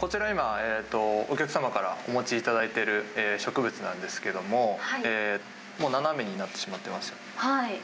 こちら今、お客様からお持ちいただいている植物なんですけども、もう斜めになってしまってますよね。